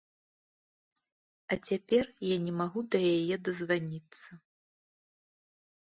А цяпер я не магу да яе дазваніцца.